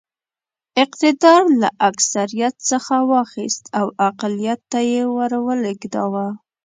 اقتدار له اکثریت څخه واخیست او اقلیت ته یې ور ولېږداوه.